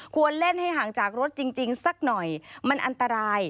ควรเล่นให้ห่างจากรถจริงสักหน่อยมันอันตราย